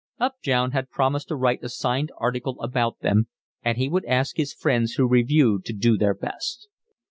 Upjohn had promised to write a signed article about them, and he would ask his friends who reviewed to do their best.